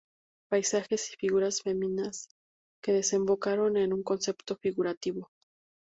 Paisajes y figuras femeninas que desembocaron en un concepto figurativo.